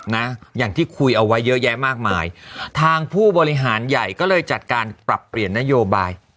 นะอย่างที่คุยเอาไว้เยอะแยะมากมายทางผู้บริหารใหญ่ก็เลยจัดการปรับเปลี่ยนนโยบาย